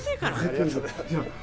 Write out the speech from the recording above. ありがとうございます。